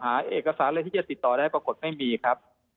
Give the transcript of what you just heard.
หาเอกสารอะไรที่จะติดต่อได้ปรากฏไม่มีครับ